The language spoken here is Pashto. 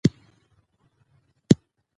غزني د افغانستان د ځمکې د جوړښت یوه ښه نښه ده.